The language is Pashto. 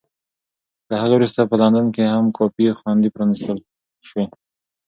له هغې وروسته په لندن کې هم کافي خونې پرانېستل شوې.